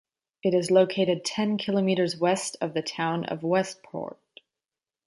It is located ten kilometres west of the town of Westport.